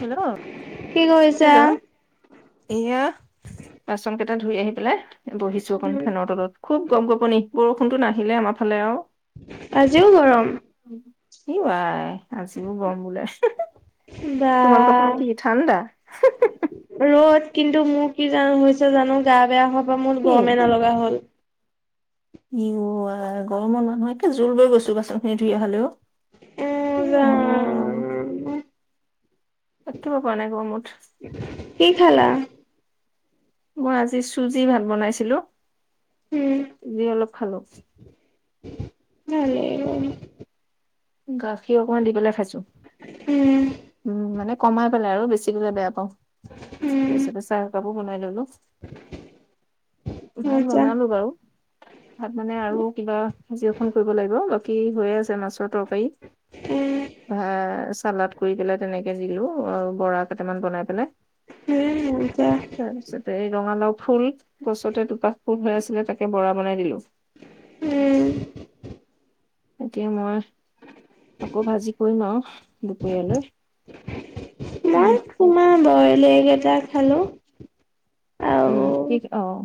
Hello?. কি কৰিছা? Hello এয়া বাচন কেইটা ধুই আহি পেলাই। বহিছো অকন ফেনৰ তলত, খুব গম গপনি, বৰষুণতো নাহিলে আমাৰ ফালে আৰু। আজিওঁ গৰম। ই আই আজিও গৰম বোলে। বা তোমালোকৰ মানে কি কি ঠাণ্ডা?। ৰ'দ কিন্তু মোৰ কি জান হৈছে জানো গা বেয়া হোৱাৰ পৰা মোৰ কি গৰমে নলগা হ'ল। ই আই গৰমৰ মানুহ একে জোল বৈ গৈছো বাচন খিনি ধুই অহলৈ। এ উম হব জানো থাকিব পৰা নাই গৰমত। কি খালা?। মই আজি চুজি ভাত বনাইছিলো, চুজি অলপ খালোঁ। ন [unintelligible] গাখীৰ অকনমান দি পেলাই খাইছো। উম। উম মানে কমাই পেলাই আৰু বেছিকলে বেয়া পাওঁ। উম তাৰ পিছতে চাহ একাপো বনাই ল'লো। ভাল মজা বনালো বাৰু। ভাত মানে আৰু কিবা ভাজি এখন কৰিব লাগিব, বাকী হৈয়ে আছে। মাছৰ তৰক। কাৰী, উম ভাত, চালাড কৰি পেলাই তেনেকে দিলো, বৰা কেইটামান বনাই পেলাই। হেৰি এতিয়া তাৰ পিছতে এই ৰঙালাওঁ ফুল, গছতে দুপাহ ফুল হৈ আছিলে তাকে বৰা বনাই দিলো। উম। এতিয়া মই আকৌ ভাজি কৰিম আৰু দুপৰীয়ালৈ। উম মই তোমাৰ বইল এ'গ এটা খালো, অহ'। উম কি অ'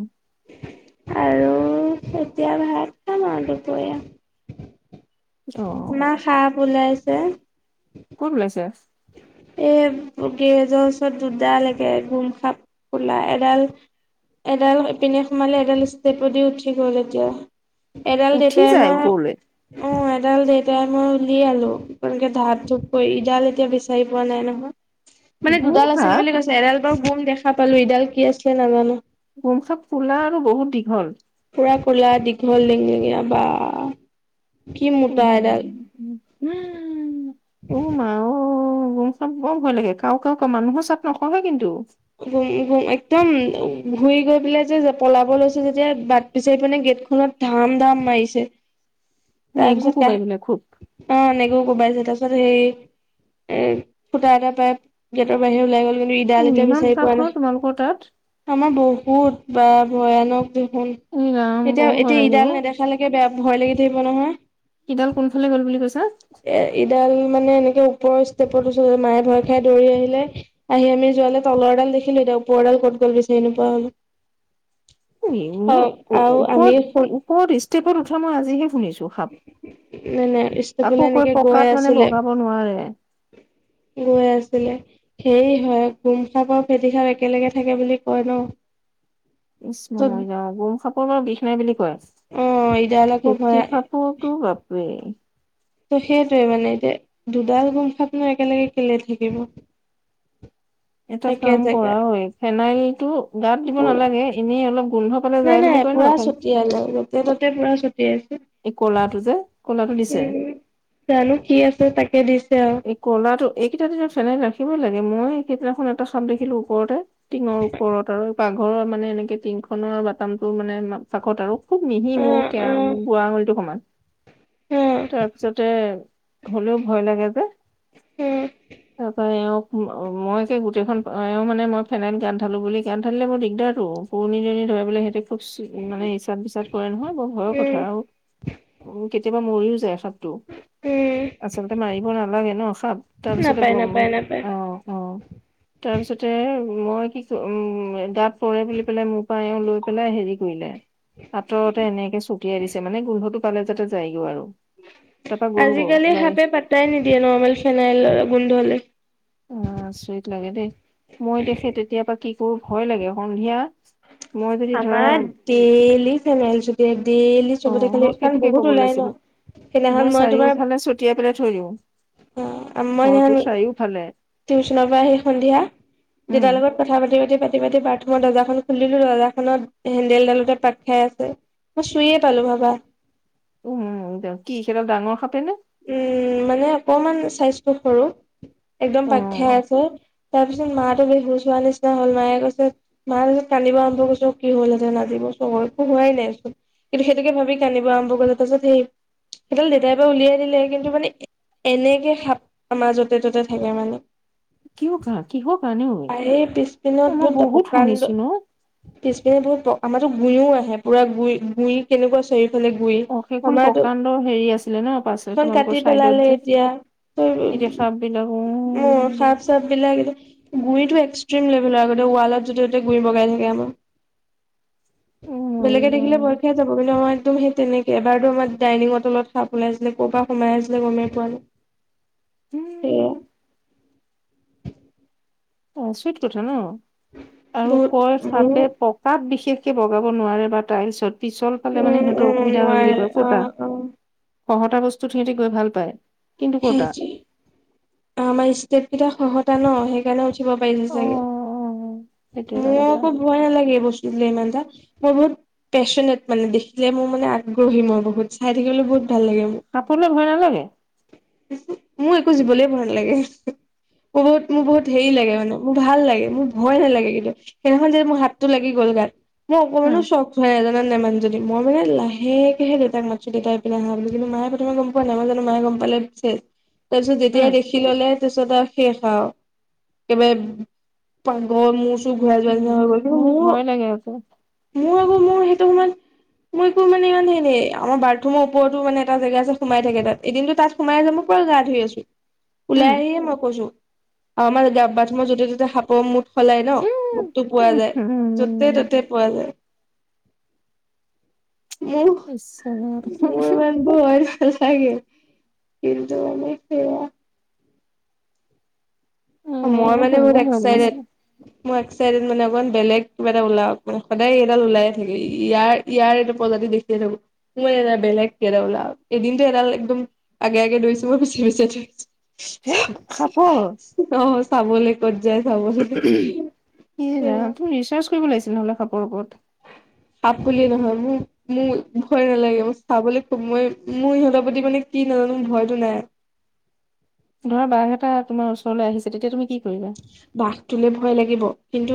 আৰু এতিয়া ভাত খাম আৰু দুপৰীয়া। অ আমাৰ সাপ ওলাইছে। ক'ত ওলাইছে? এই গেৰেজৰ ওচৰত দুডাল একে গোম সাপ ক'লা এডাল এডাল ইপিনে সোমালে, এডাল ষ্টেপে দি উঠি গ'ল এতিয়া। এডাল উঠি দেউতাই যায় মইয়ে ওপৰলৈ অ' এডাল দেউতাই মই উলিয়ালো, এনেকে ঢাপ ধপ-কৰি। ইডাল এতিয়া বিচাৰি পোৱা নাই নহয়, মানে গোম দুডাল আছিল সাপ বুলি কৈছে। এডাল বাৰু গোম দেখা পালোঁ, ইডাল কি আছিলে নাজানো। গোম সাপ ক'লা আৰু বহুত দীঘল। পুৰা ক'লা দীঘল লেঙ-লেঙীয়া বা। কি মোটা উম। [unintelligible] ঔ মা ঔ, গোম সাপ বৰ ভয় লাগে, কাও কাও কে মানুহৰ চাপ নকহে কিন্তু গোম-গোম একদম ঘূৰি গৈ পেলাই যে পলাব লৈছে, যেতিয়া বাট বিচাৰি পোৱা নাই গেটখনত ধাম-ধাম মাৰিছে, নেগু তাৰপিছত কা কোবাই বোলে খুব অ' এনেকেও কোবাইছে তাৰপিছত হেৰি এ ফুটা এটা পাই গেটৰ বাহিৰে ওলাই গ'ল কিন্তু, উ ইডাল এতিয়া বিচাৰি ইমান সাপ পোৱা নাই। ন' তোমালোকৰ তাত। আমাৰ বহুত বা ভয়ানক দেখোন। এই ৰাম বৰ ভয় এতিয়া-এতিয়া লাগে অ ইডাল নেদেখা লৈকে বেয়া ভয় লাগি থাকিব নহয়। ইডাল কোনফালে গ'ল বুলি কৈছা। এই ইডাল মানে এনেকে ওপৰৰ ষ্টেপত উঠিলগৈ, মায়ে ভয় খাই দৌৰি আহিলে, আহি আমি যোৱালৈ তলৰ ডাল দেখিলো এতিয়া উপৰডাল ক'ত গ'ল বিচাৰি নোপোৱা হ'লোঁ। অহ' আৰু আমি ক'ত ষ্টেপত উঠা মই আজিহে শুনিছো। সাপ, নাই নাই আকৌ ষ্টেপলে কৈ এনেকে গৈ পকাত মানে বগাব নোৱাৰে। কি গৈ আছিলে হেৰি হয়, গোম সাপ আৰু ফেটি সাপ একেলগে থাকে বুলি কয় ন'। [inaudible] গোম ত' সাপৰ বাৰু বিষ নাই বুলি কয়। অ ইডাল আকৌ ফেটি ভৰাই সাপ সৰুটো একেই ত' সেইটোৱে মানে এতিয়া দুডাল গোম সাপনো একেলগে কেলে থাকিব। [unintelligible] এটা একে কাম কৰা জেগাত অই, ফেনাইলটো গাত দিব নালাগে এনেই অলপ গোন্ধ পালে নাই যায় বুলি নাই কয় ন পোৰা ফেন- ছটিয়ালে, য'তে-ত'তে পোৰা ছটিয়াই আছো। এই ক'লাটো যে, ক'লাটো দিছে। জানো কি আছে তাকে দিছে আউ এই কলাটো এইকেইটা দিনত চেলাই ৰাখিবই লাগে মই সেইদিনাখন এটা চাপ দেখিলো ওপৰতে টিঙৰ ওপৰত আৰু পাকঘৰৰ মানে এনেকে টিংখনৰ বাটামটো মানে না চাখত আৰু খুব মিহি অ মোৰ অ কেৱা বোৱা আঙুলিটো সমান অ উম তাৰপিছতে হলেও ভয় লাগে যে তাৰপা এওঁক ম মই কে গোটেইখন পা এওঁ মানে মই ফেনাইল গানত ধালো বুলি গাত ধালিলে বৰ দিগদাৰটো পুৰণি দুি ধ পেললে সেইটো [unintelligible] খুবচ মানে ইচাদ বিচাদ কৰে নহয় বৰ ভয়ৰ কথা উম আউ কেতিয়াবা মৰিও যায় হত টো উম আচলতে মাৰিব না নাপায় নাপায় নাপায় তাৰ পিছতে মই কি উম গাত পৰে বুলি পেলাই মোৰ পা এওঁ লৈ পেলাই হেৰি কৰিলে আঁতৰতে এনেকে ছটিয়াই দিছে মানে গোন্ধটো পালে যাতে যায়গৈ আৰু তাৰপা আজিকালি গ'লগৈ সাপে পাতাই নিদিয়ে নৰ্মেল ফেনাইলৰে গোন্ধ লৈ অ আচৰিত লাগে দেই মই দেখে তেতিয়া পা কি কৰো ভয় লাগে সন্ধিয়া মই যদি ধৰা আমাৰ দেইলি ফেনাইল চতিয়াই দেইল লি অ চবতে মই খালি কাৰণ সেইটোকে কব বহুত ওলাই ন ওলাইছিলো সেইদিনাখন মই তোমাৰ তিয়াই পেলাই থৈ দিও অ আ মই হেইনাখন টিউচনৰ পৰা আহি সন্ধিয়া উম দেতাৰ লগত কথা পাতি পাতি পাতি পাতি বাথৰুমৰ দৰ্জা খুলিলো দৰ্জাখনত হেন্দেলডালতে পাক খাই আছে মই চুইয়ে পালো ভাবা উম উম দে কি সেইডাল ডাঙৰ সাপে নে উম মানে অকমান চাইজটো সৰু একদম অ পাক খাই আছে তাৰ পিছত মাটো বেহুচ হোৱা নিচিনা হল মায়ে কৈছে মা পিছত কান্দিব আৰম্ভ কৰিছে কি হলহেঁতেন আজি ম কৈছো একো হোৱাই নাইচোন কিন্তু সেইটোকে ভাবি কান্দিব আৰম্ভ কৰিলে তাৰ পিছত সেই সেইডাল দেউতাই পৰা উলিয়াই দিলে কিন্তু মানে এ এনেকে সাপ মাজতে ত'তে থাকে মানে কিয় কা কিহৰ কাৰণে ঐ আহি অ পিছপিনত মই বত বহুত পকাণ্ড শুনিছো ন পিছ পিনে বহুত প আমাৰতো ঘোৰিও আহে পুৰা গুৰি গুৰি কেনেকুৱা চৰি অ সেইখন প্ৰকাণ্ড হেৰি আছিলে ন পাছে সেইখন কাটি তোমালোকৰ পেলালে চাইডত যে এতিয়া সাপ বিলাক উ অ' সাপ চাপ বিলাক এনে গুৰিতো এক্সট্ৰিম লেভেলৰ আগতে ৱালত যতে ততে গুৰি বগাই থাকে আমাৰ [inaudible] বেলেগে দেখিলে ভয় উম খাই যাব কিন্তু আমাৰ একদম সেই তেনেকে এবাৰতো আমাৰ ডাইনিংৰ তলত সাপ ওলাইছিলে ক'ৰ পা সোমাই আছিলে গমেই পোৱা নাই উ সেইয়া অ আচৰিত কথা ন আৰু বহুত কৰ বহুত চাপে পক কাত বিশেষকে বগাব নোৱাৰে বা টাইলছত পিছল পালে মানে উম সিহঁতৰ উম অসুবিধা হয় বুলি নোৱাৰে কয় ক'তা অ' অ' খহতা বস্তুত সিহঁতে গৈ ভাল পায় কিন্তু ক'তা অ আমাৰ ষ্টেট কেইটা খহতা ন সেইকাৰণে উঠিব পাৰিছে চাগে সেইটো এটা মোৰ কথা অক ভয় নালাগে এই বস্তুটোলে ইমানটা মোৰ বহুত পেচেলেট মানে দেখিলে মোৰ মানে আগ্ৰহী মোৰ বহুত চাই থাকিবলে বহুত ভাল লাগে মো সাপলে ভয় নালাগে উহু মোৰ একো জীৱলে ভয় নালাগে বহুত মোৰ বহুত হেৰি লাগে মানে মোৰ ভাল লাগে, মোৰ ভয় নালাগে কিন্তু সেইদিনাখন যে মোৰ হাতটো লাগি গ'ল গাত। মোৰ অকণমানো উম শখ [unintelligible] নাজানে মানুহ জনী মই মানে লাহে কেহে দেউতাক মাতিছো, দেউতা ইপিনে আহা বুলি কিন্তু মায়ে প্ৰথমে গ'ম পোৱা নাই মই জানো মায়ে গ'ম পালে শেষ। তাৰপিছত যেতিয়াই দেখি ল'লে তাৰপিছত আৰু শেষ আৰু, একেবাৰে পাগল মূৰ-চূৰ ঘূৰাই যোৱা নিচিনা উম হৈ গ'ল, কিন্তু মোৰ ভয় লাগে আকৌ মোৰ মোৰ আকৌ মোৰ সেইটো সময়ত মোৰ একো মানে ইমান সেই নাই, আমাৰ বাথৰুমৰ ওপৰতো মানে এটা জেগা আছে সোমাই থাকে তাত, এদিনটো তাত সোমাই আছে মই পূৰা গা ধুই আছোঁ। ওলাই উম আহি হে মই কৈছো, আমাৰ গা বাথৰুমৰ য'তে ত'তে সাপৰ মুত সলাই ন'! মূতটো পোৱা উম যায়, য'তে উম ত'তে পোৱা যায়। মো ইচ ৰাম মোৰ ইমান মোৰ ভয় নালাগে, কিন্তু মানে সেইয়া। মই উম মানে বহুত শুনিলে ভয় এক্সাইটেড। লাগিছে মই এক্সাইটেড মানে অকণমান বেলেগ কিবা এটা ওলাওঁক, মানে সদায় এইডাল ওলাই থাকে, ইয়াৰ ইয়াৰ এইটো প্ৰজাতি দেখিয়ে থাকো। [unintelligible] বেলেগ কিবা এটা ওলাওঁক, এদিনটো এডাল একদম আগে আগে দৌৰিছো মই, পিছে পিছে দৌৰিছো। ধেৎ সাপৰ [unintelligible] অহ। চাবলৈ ক'ত যায় চাবলৈ, ইচ সেয়া। ৰাম তুমি ৰিছাৰ্চ কৰিব লাগিছিল নহ'লে সাপ পৰ ওপৰত। সাপ বুলিয়ে নহয়, মোৰ মোৰ ভয় নালাগে মই চাবলৈ খুব মই মোৰ সিহঁতৰ প্ৰতি মানে কি নাজানো মোৰ ভয়টো নাই। ধৰা বাঘ এটা তোমাৰ ওচৰলৈ আহিছে, তেতিয়া তুমি কি কৰিবা? বাঘ তোলে ভয় লাগিব, কিন্তু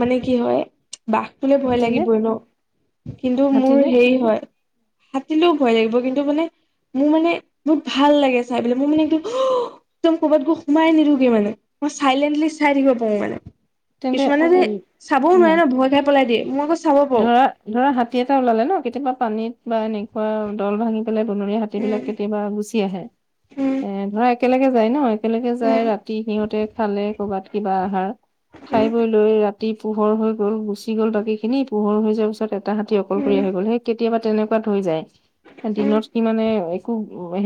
মানে কি হয় বাঘতোলে ভয় হাতীলে লাগিবই ন' কিন্তু, মোৰ হাতীলে হেৰি হয়। হাতিলেও ভয় লাগিব কিন্তু মানে মোৰ মানে বহুত ভাল লাগে চাই পেলাই, মোৰ মানে একদম হুউ একদম ক'ৰবাত গৈ সোমাই নিদিও গে মানে, মই চাইলেণ্টলি চাই থাকিব পাৰো মানে। তেন্তে কিছুমানে যে উম চাবও উম নোৱাৰে ন' ভয় খাই পলাই দিয়ে, মই আকৌ চাব পাৰো ধৰা ধৰা হাতী এটা ওলালে ন' কেতিয়াবা পানীত বা এনেকুৱা দল ভাঙি পেলাই বনৰীয়া হাতী বিলাক উম কেতিয়াবা গুচি আহে, উম এ ধৰা একেলগে যায় ন'। একেলগে যায় উম ৰাতি সিহঁতে খালে কৰ'বাত কিবা আহাৰ, খাই বৈ লৈ ৰাতি তি পোহৰ হৈ গ'ল গুচি গ'ল বাকী খিনি, পোহৰ হৈ যোৱাৰ পিছত এটা হাতী অকলশৰীয়া উম হৈ গ'ল সেই কেতিয়াবা তেনে কোৱাত হৈ যায়, উম দিনত কি মানে একো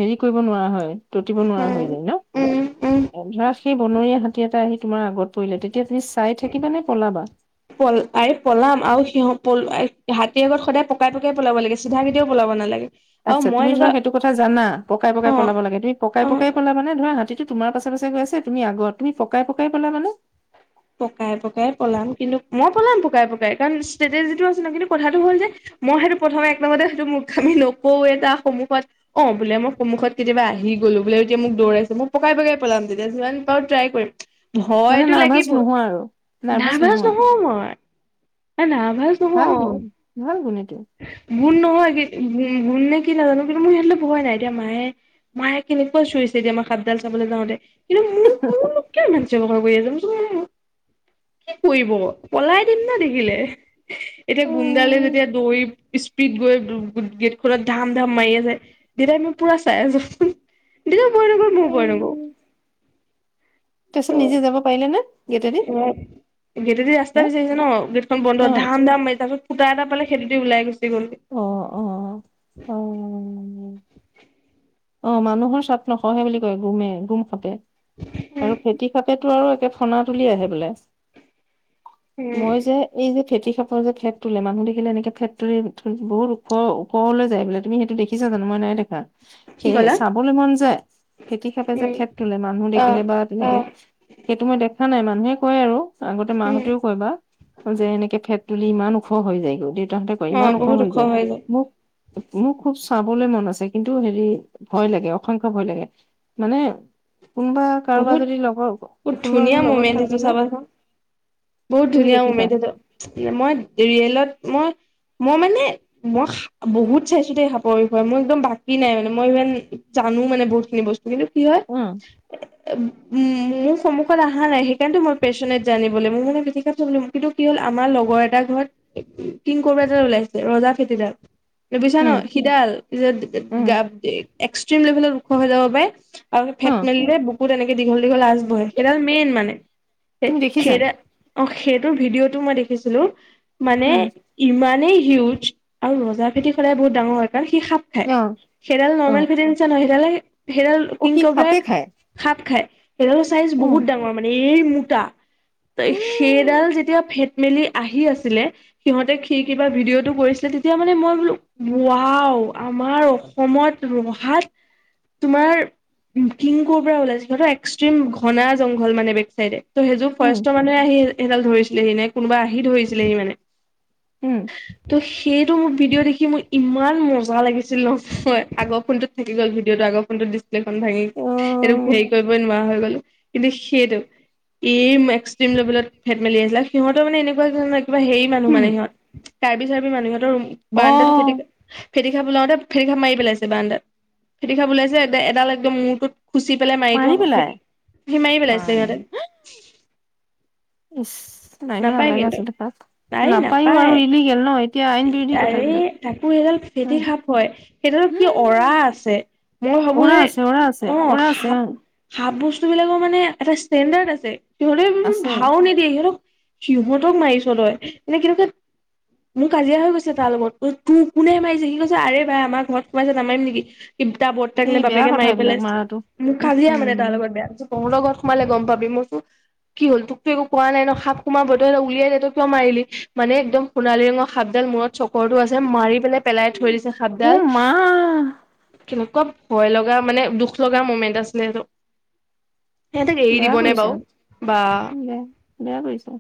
হেৰি কৰিব নোৱাৰা হয়। উতিব নোৱাৰা হৈ উম যায় ন', উম উম ধৰা সেই বনৰীয়া হাতী এটা আহি তোমাৰ আগত পৰিলে তেতিয়া তুমি চাই থাকিবা নে পলাবা? পল আৰে পলাম আৰু সিহ-হাতীৰ আগত সদায় পকাই পকাই পলাব লাগে চিধা কেতিয়াও পলাব নালাগে। আৰু আচ্ছা মই তুমি ধৰা এনেকুৱা সেইটো কথা জানা পকাই অ পকাই পলাব লাগে তুমি পকাই অ পকাই পলাৱানে ধৰা হাতী টো তোমাৰ পাছ পাছে গৈ আছে, তুমি আগত তুমি পকাই পকাই পলা‌ৱানে? পকাই পকাই পলাম কিন্তু, মই পলাম পকাই পকাই কাৰণ ষ্ট্ৰেটেজিটো আছে না কিন্তু কথাটো হ'ল যে মই সেইটো প্ৰথমে এক নম্বৰতে হেইটো মোৰখা্মি‌ নকৰোৱে তাৰ সন্মুখত। অ', বোলে মই সন্মুখত কেতিয়াবা আহি গ'লো বোলে এতিয়া মোক দৌৰাইছে মই পকাই পকাই পলাম তেতিয়া, যিমান পাৰোঁ ট্ৰাই কৰিম, ভয়টো লাগিবই। কোৱা আৰু। নাৰ্ভাছ নহওঁ মই, নাৰ্ভাচ ভাল নহওঁ। গুণ ভাল গুণ এইটো গুণ নহয় কি গুণ নে কি নাজানো কিন্তু মোৰ সেইতোলৈ ভয় নাই, এতিয়া মায়ে মায়ে কেনেকুৱা চিঞৰিছে তেতিয়া মই সাপডাল চাবলৈ যাওঁতে কিন্তু ম [inaudible] মোক কিয় ইমান চিঞৰ বাখৰ কৰি আছা মই কৈছো অহ কি কৰিব পলাই দিম না দেখিলে। এতিয়া গুণ্ডালে উম যেতিয়া দৌৰি স্পীড গৈ- গেট খত ধাম ধাম মাৰি আছে। দেতাই নো মই পুৰা চাই আছো, দেতাই ভই নকৰে মইওঁ ভই নকৰো। উম তাৰপিছত নিজে যাব পাৰিলে নে? গেটেদি অ গেটেদি হে ৰাস্তা বিচাৰিছে ন গেটখন অ বন্ধ ধাম ধাম মাৰি তাৰপিছত ফূটা এটা পালে সেইতো দি ওলাই গুচি গল গে। অ অ। অ অ মানুহৰ চাপ নসহে বুলি কয় গুমে গুম খাপে উম আৰু ফেটি খাপে‌ টো আৰু একে খনাত তুলি আহে বোলে, উম মই যে এই যে ফেটিসাপৰ যে ফেট তুলে মানুহ দেখিলে এনেকে ফেট তুলি ধৰি বহুত ওখ ওপৰলৈ যায় বোলে তুমি সেইটো দেখিছা জানো? মই নাই দেখা। কি সেই ক'লা চাবলৈ মন যায়, ফেতি হাপে যে উম ফেট তুলে মানুহ দেখিলে অ', বা তেনেকে অ', সেইটো মই দেখা নাই মানুহে কয় আৰু আগতে উম, মাহঁতেও কয় বা যে এনেকে ফেট তুলি ইমান ওখ হৈ যায়গৈ দেউতাহঁতে কয় ইমান ওখ হৈ যায়, মোক মোৰ খুব চাবলৈ মন আছে কিন্তু হেৰি ভয় লাগে অসংখ্যয় ভয় লাগে মানে কোনবা কাৰোবাৰ বহুত যদি লগৰ বহুত কোনোবা ধুনীয়া যদি মুমেন্ট লগত সেইটো থাকিলে চাবাচোন বহুত তুমি ধুনীয়া মোমেন দেখিছা এইটো মই ৰিয়েলত মই মই মানে মই সা বহুত চাইছো দেই সাপৰ বিষয়ে মই একদম বাকী নাই মানে মই ইমান জানো মানে বহুতখিনি বস্তু। কিন্তু কি হয় অ। মোৰ সন্মুখত অহা নাই সেইকাৰণেতো মই পেশচনেত জানিবলৈ মোৰ মানে ফেঁটী সাপ চাবলে মন। কিন্তু কি হ'ল আমাৰ লগৰ এটা ঘৰত কিং কোব্ৰা এডাল ওলাইছে ৰজা ফেটিডাল। বুজিছা ন উম সিডাল যে উম, গাত এক্সট্ৰিম লেভেলত ওখ হৈ যাব পাৰে আৰু ফেট অ', মেলিলে বুকুত এনেকে দীঘল দীঘল আচ বহে সেইডাল মেইন মানে, সে তুমি দেখিছা? সেইডাল অ সেইটোৰ ভিডিঅ'টো মই দেখিছিলো মানে উম, ইমানেই হিউজ। আৰু ৰজাৰ ফেটি সদাই বহুত ডাঙৰ হয়, কাৰণ সি সাপ খায় অ', সেইডাল নৰ্মেল অ', ফেটিৰ নিচিনা নহয় সেইডালে সেইডাল অ কিং সি কবৰাই সাপে খায়। সাপ খাই, সেইডালৰ চাইজ উম, বহুত ডাঙৰ মানে এই মোটা। তাই সেইডাল উম, যেতিয়া ফেট মেলি আহি আছিলে সিহঁতে খিৰকী পা ভিডিঅ'টো কৰিছিলে তেতিয়া মানে মই বোলো ওৱাওঁ আমাৰ সময়ত ৰুহাত তোমাৰ কিংকোব্ৰা ওলাইছিল সিহঁতৰ এক্সট্ৰিম ঘনা জংঘল মানে বেক চাইডে। ত সেইযোৰ উম, ফৰেষ্টৰ মানুহে আহি সেইডাল ধৰিছিলেহি নে কোনোবা আহি ধৰিছিলেহি মানে। উম, ত সেইটো মোৰ ভিডিঅ দেখি মোৰ ইমান মজা লাগিছিল নহয়, আগৰ ফোনটোত থাকি গ'ল ভিডিঅ টো আগৰ ফোনটোত দি প্ৰেইটখন ভাঙি এইটো হেৰি অ', কৰিবই নোৱাৰা হৈ গল। কিন্তু সেইটো ই এক্সট্ৰিম লেভেলত ফেট মেলি আছিলে, সিহতৰ মানে এনেকুৱা ধৰণ কিবা হেৰি মানুহ উম, মানে সিহঁত কাৰ্বি চাৰ্বি মানুহ, সিহঁতৰ বাৰান্দাটো খেতি অ', কৰে। ফেঁটি সাপ ওলাওতে, ফেঁটি সাপ মাৰি পেলাইছে বাৰান্দাত ফেঁটি সাপ ওলাইছে এডাল একদম মূৰটোত খুচি পেলাই মাৰি থৈ আহোঁ [inaudible] সি মাৰি মা পেলাইছিলে সিহঁতে। ইচ্‌ মাৰিব নাপায় নালাগে, কিন্তু আচলতে তাক আৰে নাপায়ো, আৰু নাপায় ইলিগেল ন! এতিয়া আইন বিৰোধি কথা, এইবিলাক। ফেঁটি উম, সাপ হয়, সেইটো কি অৰা উম, আছে? মই ভাবো উৰা যে, আছে, উৰা আছে, অ' উৰা আছে সাপ অ', সাপ বস্তু বিলাকৰ মানে এটা ষ্টেণ্ডাৰ্ড আছে, সিহঁতে আছে। ভাও নিদিয়ে সিহঁতক সিহঁতক মাৰিছ তই এনেই কেনেকুৱাত মোৰ কাজিয়া হৈ গৈছে তাৰ লগত ত- তোৰ কোনে মাৰিছে সি কৈছে আৰে ভাই আমাৰ ঘৰত সোমাইছে নামাৰিম নেকি। তা বৰটাক এই নে বেয়া বাপেকে কথা মাৰি এইবিলাক পেলাইছে। মাৰাটো। মোৰ উম, কাজিয়া মানে তাৰ উম, লগত বেয়া তঁহতৰ ঘৰত সোমালে, গম পাবি, মই কৈছোঁ কি হ'ল, তোকতো একো কোৱা নাই, ন সাপ- সোমাবয়ে, তই আৰু উলিয়াই দে, তই কিয় মাৰিলি? মানে একদম সোণালী ৰঙৰ সাপডাল, মূৰত চকৰটো আছে, মাৰি পেলাই পেলাই থৈ দিছে সাপডাল। অ', মা কেনেকুৱা ভয় লগা, মানে দুখ লগা মমেন্ট আছিলে এইটো। সেহেতেক এৰি বেয়া দিবনে, কৰিছে, বাওঁ? বা! বেয়া, বেয়া কৰিছে।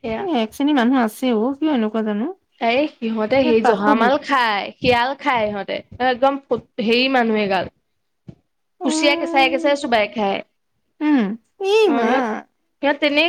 সেয়া একশ্ৰেনী মানুহ আছে, অ কিয় এনেকুৱা, জানো? এই সিহঁতে ইয়াত সেই জহামাল পাশবিক খায়। শিয়াল খাই, ইহঁতে একদম হেৰি মানুহ এগাল! অ কুচিয়া কেঁচাই, কেঁচাই চোবাই খাই, উম এই অ' মা ইহঁত-ইহঁত! তেনে